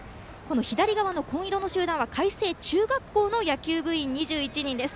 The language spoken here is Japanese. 左側の紺の集団は海星中学校の野球部員２１人です。